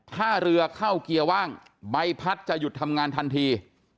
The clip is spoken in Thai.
ถ้าเรือเข้าเกียร์ว่างใบพัดจะหยุดทำงานทันที